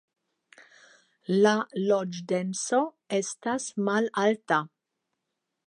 La loĝdenso estas malalta.